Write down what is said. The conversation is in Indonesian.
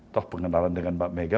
toh pengenalan dengan mbak mega